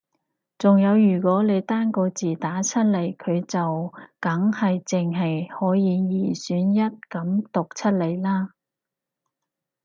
仲有如果你單個字打出嚟佢就梗係淨係可以二選一噉讀出嚟啦